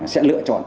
sẽ lựa chọn